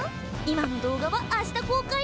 今の動画は明日公開！